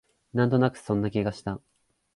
なんとなくそんな気がした